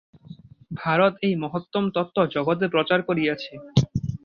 ভারত এই মহত্তম তত্ত্ব জগতে প্রচার করিয়াছে।